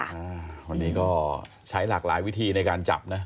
วันนี้ก็ใช้หลากหลายวิธีในการจับนะ